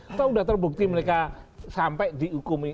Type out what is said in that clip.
atau sudah terbukti mereka sampai dihukumi